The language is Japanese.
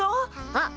あっ